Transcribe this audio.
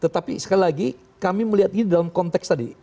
tetapi sekali lagi kami melihat ini dalam konteks tadi